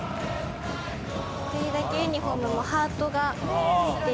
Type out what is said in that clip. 「一人だけユニホームもハートがついていて」